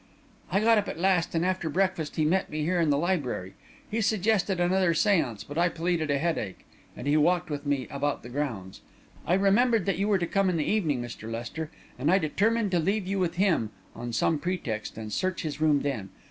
"I got up, at last, and after breakfast he met me here in the library. He suggested another séance, but I pleaded a headache, and he walked with me about the grounds. I remembered that you were to come in the evening, Mr. Lester, and I determined to leave you with him, on some pretext, and search his room then.